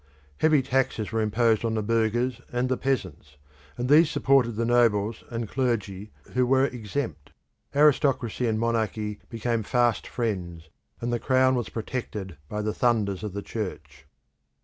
Heavy taxes were imposed on the burghers and the peasants, and these supported the nobles and clergy who were exempt. Aristocracy and monarchy became fast friends, and the Crown was protected by the thunders of the Church.